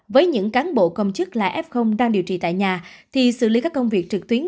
với những cán bộ công chức là f đang điều trị tại nhà thì xử lý các công việc trực tuyến